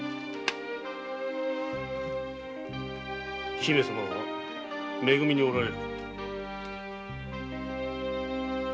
姫様はめ組におられる。